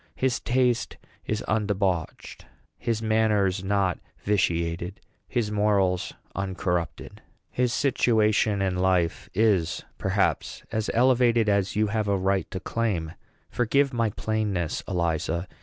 His taste is undebauched, his manners not vitiated, his morals uncorrupted. His situation in life is, perhaps, as elevated as you have a right to claim. Forgive my plainness, Eliza.